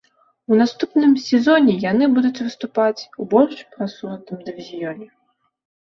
У наступным сезоне яны будуць выступаць у больш прасунутым дывізіёне.